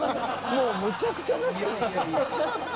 もうむちゃくちゃなってますね。